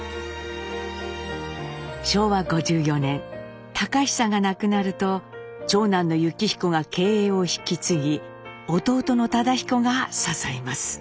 昭和５４年隆久が亡くなると長男の幸彦が経営を引き継ぎ弟の忠彦が支えます。